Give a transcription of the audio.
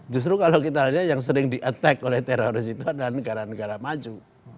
justru kalau kita lihat yang sering di attack oleh teroris itu adalah negara negara maju